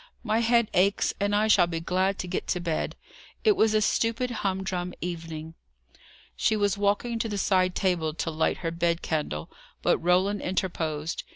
"My head aches, and I shall be glad to get to bed. It was a stupid, humdrum evening." She was walking to the side table to light her bed candle, but Roland interposed.